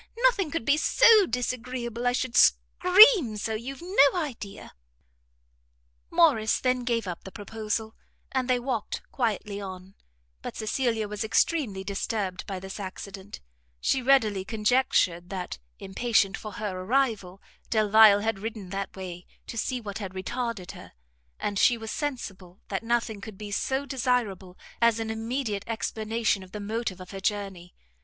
Nothing could be so disagreeable I should scream so, you've no idea." Morrice then gave up the proposal, and they walked quietly on; but Cecilia was extremely disturbed by this accident; she readily conjectured that, impatient for her arrival, Delvile had ridden that way, to see what had retarded her, and she was sensible that nothing could be so desirable as an immediate explanation of the motive of her journey.